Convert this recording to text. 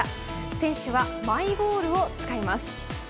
選手はマイボールを使います。